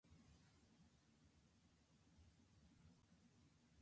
This type of situation is especially likely in languages with free word order.